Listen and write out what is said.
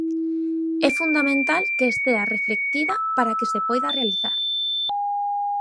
É fundamental que estea reflectida para que se poida realizar.